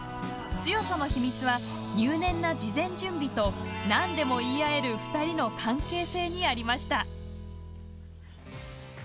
強さの秘密は入念な事前準備と何でも言い合える２人の関係性にありました。